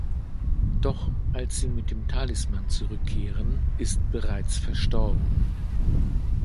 Doch als sie mit dem Talisman zurückkehren, ist bereits verstorben.